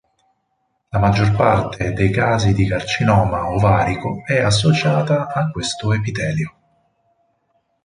La maggior parte dei casi di carcinoma ovarico è associata a questo epitelio.